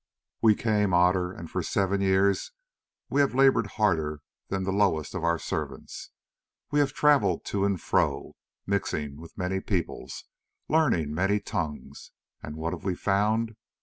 "We came, Otter, and for seven years we have laboured harder than the lowest of our servants; we have travelled to and fro, mixing with many peoples, learning many tongues, and what have we found?